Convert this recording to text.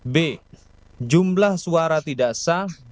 b jumlah suara tidak sah